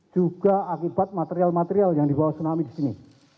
juga akibat material material yang dibawa tsunami di sini